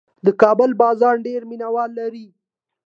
د کابل بازان ډېر مینه وال لري.